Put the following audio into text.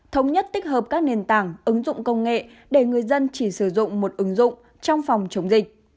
thống nhất tích hợp các nền tảng ứng dụng công nghệ để người dân chỉ sử dụng một ứng dụng trong phòng chống dịch